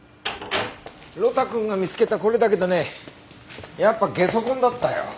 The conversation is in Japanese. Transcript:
呂太くんが見つけたこれだけどねやっぱゲソ痕だったよ。